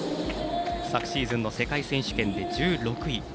昨シーズンの世界選手権で１６位。